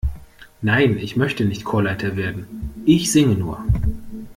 Nein, ich möchte nicht Chorleiter werden, ich singe nur.